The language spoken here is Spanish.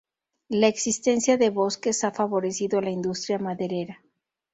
La existencia de bosques ha favorecido la industria maderera.